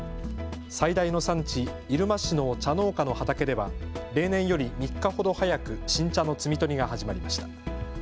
最大の産地、入間市の茶農家の畑では例年より３日ほど早く新茶の摘み取りが始まりました。